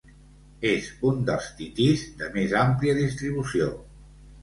És un dels titís de més àmplia distribució.